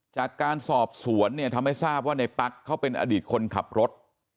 จากการสอบสวนเนี่ยทำให้ทราบว่าในปั๊กเขาเป็นอดีตคนขับรถ